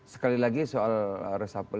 sekali lagi soal resapel